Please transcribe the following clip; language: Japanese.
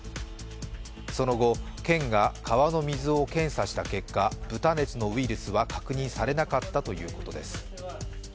その後、県が川の水を検査した結果、豚熱のウイルスは確認されなかったということです。